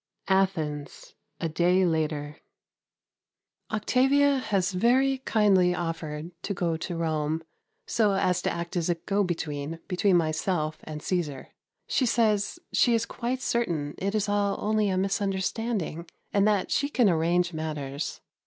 Athens, a day later. Octavia has very kindly offered to go to Rome, so as to act as a go between between myself and Cæsar. She says she is quite certain it is all only a misunderstanding and that she can arrange matters.